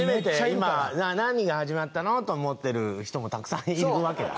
今、何が始まったの？と思ってる人もたくさんいるわけだ。